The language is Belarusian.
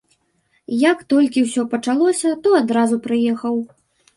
Як толькі ўсё пачалося, то адразу прыехаў.